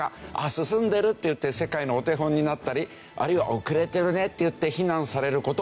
進んでるっていって世界のお手本になったりあるいは遅れてるねっていって非難される事もあるんですね。